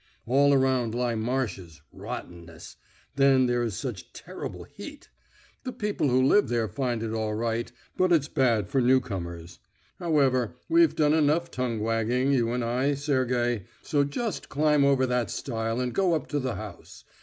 All around lie marshes, rottenness; then there is such terrible heat. The people who live there find it all right, but it's bad for new comers. However, we've done enough tongue wagging, you and I, Sergey, so just climb over that stile and go up to the house.